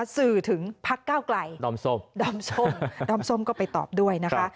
สื่อถึงพักเก้าไกลดอมส้มดอมส้มก็ไปตอบด้วยนะคะ